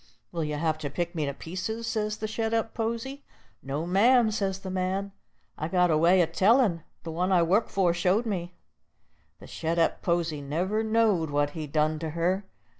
"Will you have to pick me to pieces?" says the shet up posy. "No, ma'am," says the man; "I've got a way o' tellin', the one I work for showed me." The shet up posy never knowed what he done to her.